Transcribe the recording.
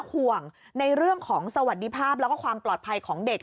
ห่วงในเรื่องของสวัสดิภาพแล้วก็ความปลอดภัยของเด็ก